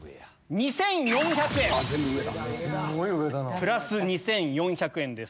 プラス２４００円です。